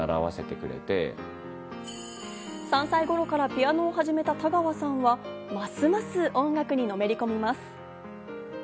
３歳頃からピアノを始めた田川さんはますます音楽にのめり込みます。